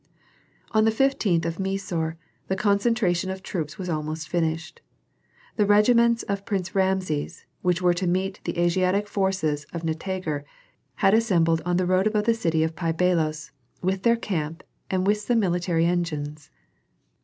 On the fifteenth of Mesore the concentration of troops was almost finished. The regiments of Prince Rameses, which were to meet the Asiatic forces of Nitager, had assembled on the road above the city of Pi Bailos with their camp and with some military engines.